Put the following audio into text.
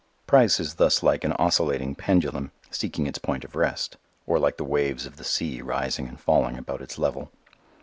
Price is thus like an oscillating pendulum seeking its point of rest, or like the waves of the sea rising and falling about its level.